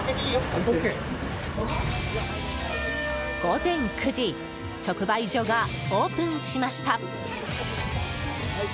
午前９時直売所がオープンしました。